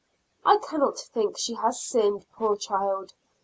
I cannot think she has sinned; poor child!